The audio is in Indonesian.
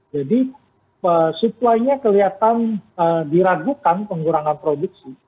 jadi supply nya kelihatan diragukan pengurangan produksi